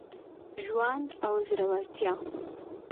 ژوند او زړورتیا